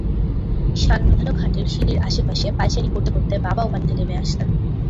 শানবাঁধানো ঘাটের সিঁড়ির আশপাশে পায়চারি করতে করতে বাবাও পানিতে নেমে আসতেন।